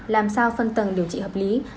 làm sao phân tầng điều trị hợp lý